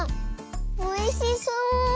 おいしそう！